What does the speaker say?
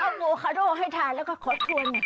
เอาอัโมคาโดให้ทานแล้วก็ขอส้อม